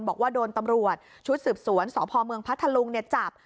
บอกว่าโดนตำรวจชุดสืบสวนสพเมืองพัทธลุงจับ